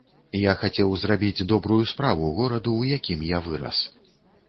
Я хацеў зрабіць добрую справу гораду, у якім я вырас.